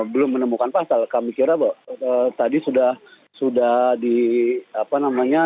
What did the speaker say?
belum menemukan pasal kami kira tadi sudah sudah di apa namanya